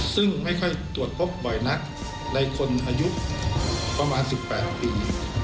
ซึ่งไม่ค่อยตรวจพบบ่อยนักในคนอายุประมาณ๑๘ปี